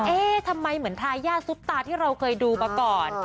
เอ๊ะทำไมเหมือนทายาทซุปตาที่เราเคยดูมาก่อน